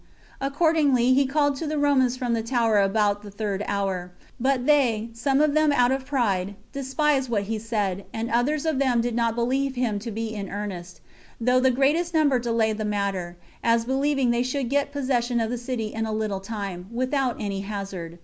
Accordingly, he called to the Romans from the tower about the third hour; but they, some of them out of pride, despised what he said, and others of them did not believe him to be in earnest, though the greatest number delayed the matter, as believing they should get possession of the city in a little time, without any hazard.